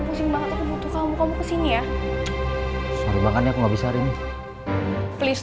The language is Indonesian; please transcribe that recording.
pusing banget aku butuh kamu kamu kesini ya seru banget aku nggak bisa ini please